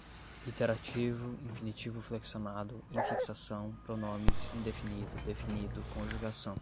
iterativo, infinitivo flexionado, infixação, pronomes, indefinido, definido, conjugação